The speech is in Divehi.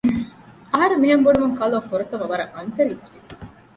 އަހަރެން މިހެން ބުނުމުން ކަލޯ ފުރަތަމަ ވަރަށް އަންތަރީސްވި